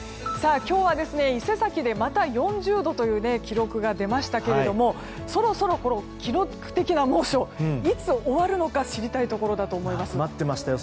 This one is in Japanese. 今日は伊勢崎でまた４０度という記録が出ましたけどもそろそろ記録的な猛暑いつ終わるのか知りたいところだと思います。